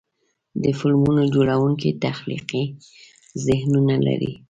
د فلمونو جوړونکي تخلیقي ذهنونه لري.